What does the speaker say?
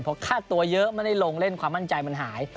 เพราะค่าตัวเยอะไม่ได้ลงเล่นความมั่นใจมันหาย